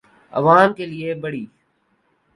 آعوام کے لئے بڑی